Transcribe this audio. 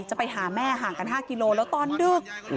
จะไปหาแม่ห่างกัน๕กิโลแล้วตอนดึก